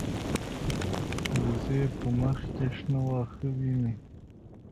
وزې په مخ کې شنه واښه ویني